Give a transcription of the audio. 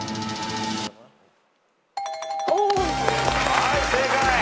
はい正解。